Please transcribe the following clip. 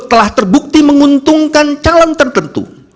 telah terbukti menguntungkan calon tertentu